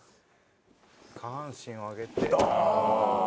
下半身を上げて。